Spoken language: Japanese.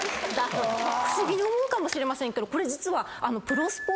不思議に思うかもしれませんけどこれ実は。